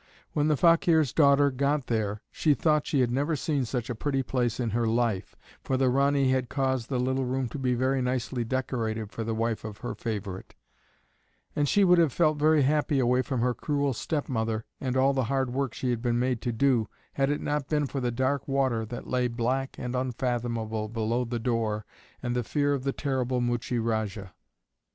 When the Fakeer's daughter got there, she thought she had never seen such a pretty place in her life (for the Ranee had caused the little room to be very nicely decorated for the wife of her favorite); and she would have felt very happy away from her cruel stepmother and all the hard work she had been made to do, had it not been for the dark water that lay black and unfathomable below the door and the fear of the terrible Muchie Rajah.